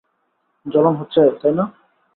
জ্বলন হচ্ছে তাই না?